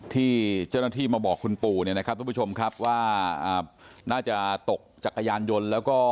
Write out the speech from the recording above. ที่เจ้าหน้าที่มาบอกคุณปู่เนี่ยนะครับทุกผู้ชมครับว่าน่าจะตกจักรยานยนต์แล้วก็